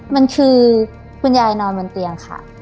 มันคือคุณยายนอนบนเตียงค่ะ